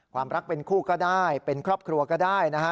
ความรักเป็นคู่ก็ได้เป็นครอบครัวก็ได้นะฮะ